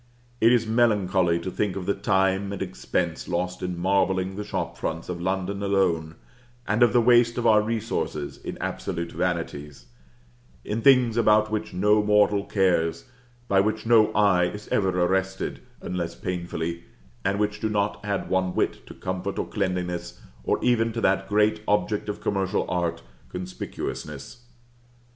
It is melancholy to think of the time and expense lost in marbling the shop fronts of London alone, and of the waste of our resources in absolute vanities, in things about which no mortal cares, by which no eye is ever arrested, unless painfully, and which do not add one whit to comfort or cleanliness, or even to that great object of commercial art conspicuousness.